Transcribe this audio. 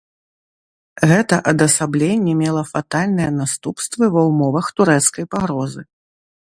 Гэта адасабленне мела фатальныя наступствы ва ўмовах турэцкай пагрозы.